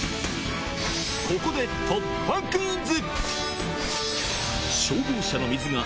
ここで突破クイズ！